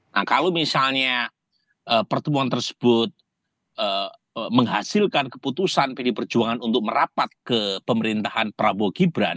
nah kalau misalnya pertemuan tersebut menghasilkan keputusan pdi perjuangan untuk merapat ke pemerintahan prabowo gibran